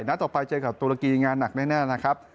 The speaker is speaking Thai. ต่อไปเจอกับตุรกีงานหนักแน่นะครับ